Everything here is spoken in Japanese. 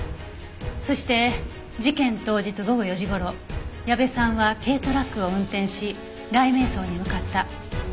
そして事件当日午後４時頃矢部さんは軽トラックを運転し雷冥荘に向かった。